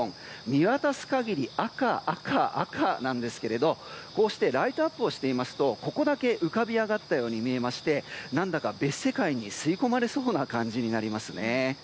見渡す限り赤、赤、赤なんですけどこうしてライトアップをしていますとここだけ浮かび上がったように見えまして何だか別世界に吸い込まれそうな感じになりますね。